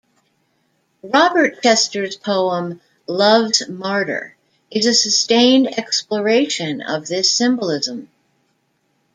Robert Chester's poem "Love's Martyr" is a sustained exploration of this symbolism.